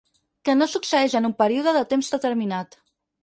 Que no succeeix en un període de temps determinat.